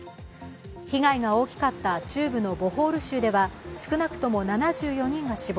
被害が大きかった中部のボホール州では少なくとも７４人が死亡。